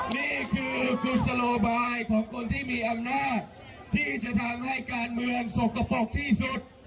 นี่คือกุศโลบายของคนที่มีอำนาจที่จะทำให้การเมืองสกปรกที่สุด